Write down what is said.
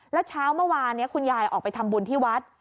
แล้วเช้าเมื่อวานนี้คุณยายออกไปทำบุญที่วัด